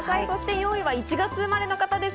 ４位は１月生まれの方です。